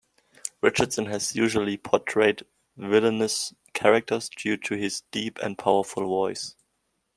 Richardson has usually portrayed villainous characters due to his deep and powerful voice.